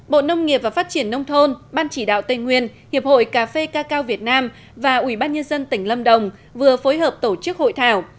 bộ nông nghiệp và phát triển nông thôn ban chỉ đạo tây nguyên hiệp hội cà phê cacao việt nam và ubnd tỉnh lâm đồng vừa phối hợp tổ chức hội thảo